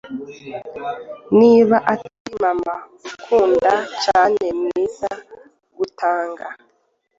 niba atari mama, ukunda cyane, mwiza, gutanga